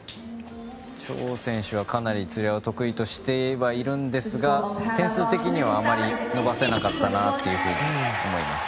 チョウ選手はかなりつり輪を得意とはしているんですが点数的にはあまり伸ばせなかったなと思います。